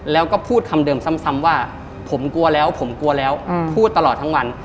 แล้วก็พูดคำเดิมซ้ำว่าผมกลัวแล้วผมกลัวแล้วพูดตลอดทั้งวัน